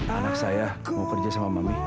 anak saya mau kerja sama mami